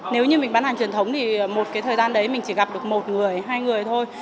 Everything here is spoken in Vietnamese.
nếu như mình bán hàng truyền thống thì một cái thời gian đấy mình chỉ gặp được một người hai người thôi